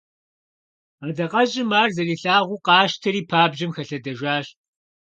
Адакъэжьым ар зэрилъагъуу къащтэри, пабжьэм хэлъэдэжащ.